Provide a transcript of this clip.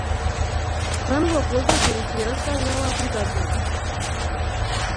Станува познат бидејќи ја раскажа оваа приказна.